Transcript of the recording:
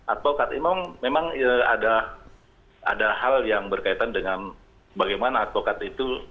advokat memang ada hal yang berkaitan dengan bagaimana advokat itu